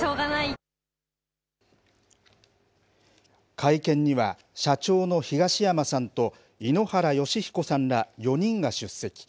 会見には、社長の東山さんと井ノ原快彦さんら４人が出席。